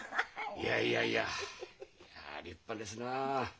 いやいやいやいや立派ですなあ。